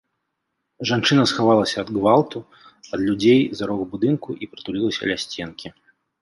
Жанчына схавалася ад гвалту, ад людзей за рог будынку і прытулілася ля сценкі.